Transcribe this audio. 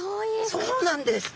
そうなんです。